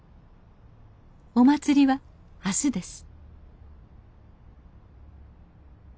お祭りは明日です